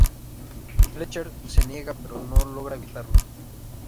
Fletcher se niega, pero no logra evitarlo.